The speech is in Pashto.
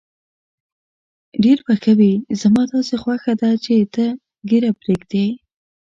ډېر به ښه وي، زما داسې خوښه ده چې ته ږیره پرېږدې.